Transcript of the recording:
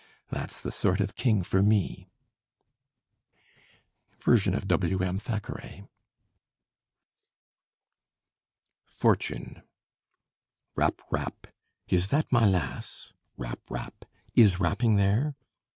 That's the sort of king for me." Version of W.M. Thackeray. FORTUNE Rap! rap! Is that my lass Rap! rap! is rapping there?